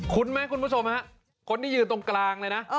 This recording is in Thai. คุ้นไหมคุณผู้ชมครับคนที่อยู่ตรงกลางได้นะ